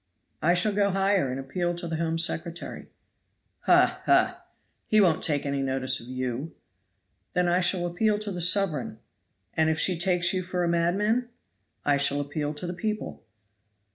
"I shall go higher and appeal to the Home Secretary." "Ha! ha! He won't take any notice of you." "Then I shall appeal to the sovereign." "And if she takes you for a madman?" "I shall appeal to the people.